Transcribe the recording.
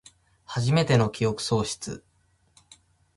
はじめての記憶喪失